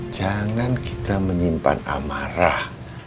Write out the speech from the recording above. jangan kita menyimpan amarah